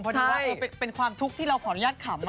ดีว่าเป็นความทุกข์ที่เราขออนุญาตขำ